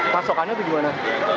pasokannya itu gimana